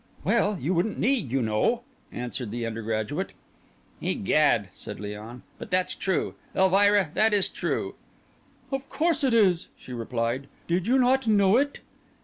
"Well, you wouldn't need, you know," answered the undergraduate. "Egad," said Léon, "but that's true. Elvira, that is true." "Of course it is," she replied. "Did you not know it?"